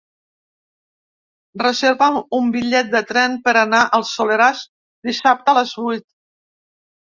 Reserva'm un bitllet de tren per anar al Soleràs dissabte a les vuit.